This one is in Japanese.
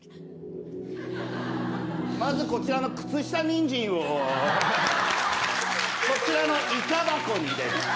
まずこちらの靴下にんじんをこちらのイカ箱に入れる。